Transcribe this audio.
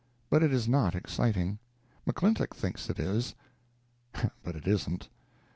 But it is not exciting. McClintock thinks it is; but it isn't.